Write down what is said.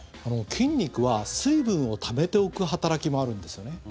筋肉は水分をためておく働きもあるんですよね。